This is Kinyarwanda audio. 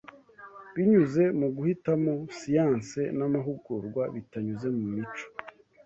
binyuze mu guhitamo siyanse n'amahugurwa bitanyuze mu mico